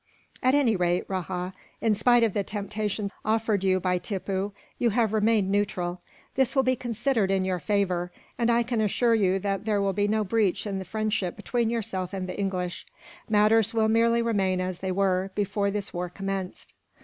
"At any rate, Rajah, in spite of the temptations offered you by Tippoo, you have remained neutral. This will be considered in your favour, and I can assure you that there will be no breach in the friendship between yourself and the English; matters will merely remain as they were, before this war commenced."